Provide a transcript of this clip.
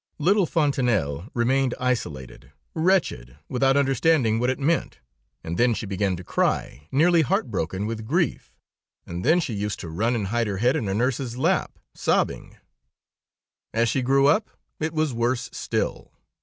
"Little Fontanelle remained isolated, wretched, without understanding what it meant, and then she began to cry, nearly heart broken with grief, and then she used to run and hide her head in her nurse's lap, sobbing. "As she grew up, it was worse still.